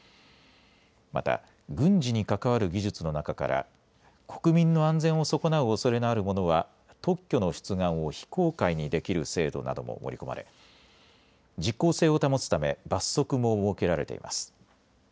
また軍事に関わる技術の中から国民の安全を損なうおそれのあるものは特許の出願を非公開にできる制度なども盛り込まれ実効性を保つため罰則も設けられています。